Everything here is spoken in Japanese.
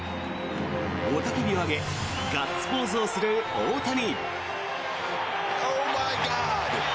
雄たけびを上げガッツポーズをする大谷。